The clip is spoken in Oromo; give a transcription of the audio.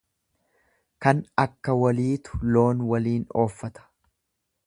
Kan akka waliitu loon waliin ooffata.